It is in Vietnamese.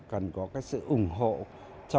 cần có cái sự ủng hộ